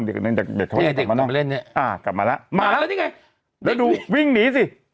เด็กเขาจะกลับมานั่งเด็กเขาจะกลับมาเล่นเนี่ยอ่ากลับมาแล้วมาแล้วแล้วนี่ไงแล้วดูวิ่งหนีสิ